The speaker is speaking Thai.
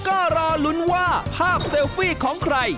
ก็รอลุ้นว่าภาพเซลฟี่ของใคร